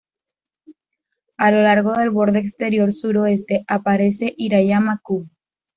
A lo largo del borde exterior suroeste aparece "Hirayama Q".